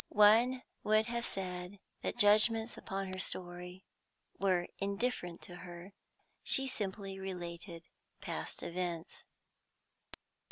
One would have said that judgments upon her story were indifferent to her; she simply related past events.